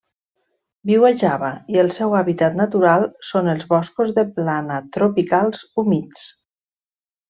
Viu a Java i el seu hàbitat natural són els boscos de plana tropicals humits.